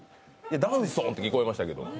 ダンソンって聞こえましたけど。